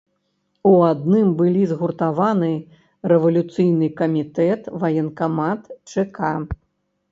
У адным былі згуртаваны рэвалюцыйны камітэт, ваенкамат, чэка.